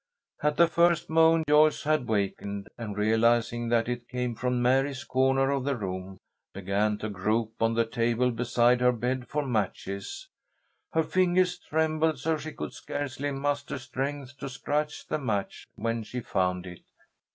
At the first moan, Joyce had wakened, and realizing that it came from Mary's corner of the room, began to grope on the table beside her bed for matches. Her fingers trembled so she could scarcely muster strength to scratch the match when she found it.